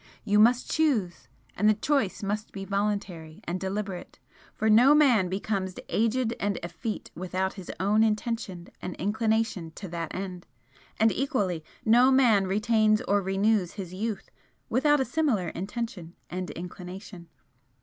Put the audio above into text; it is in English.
You must choose and the choice must be voluntary and deliberate, for no man becomes aged and effete without his own intention and inclination to that end, and equally, no man retains or renews his youth without a similar intention and inclination.